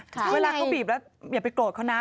ก็บีบแล้วอย่าไปโกรธเขานะ